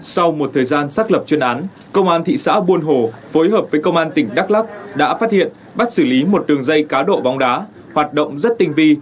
sau một thời gian xác lập chuyên án công an thị xã buôn hồ phối hợp với công an tỉnh đắk lắk đã phát hiện bắt xử lý một đường dây cá độ bóng đá hoạt động rất tinh vi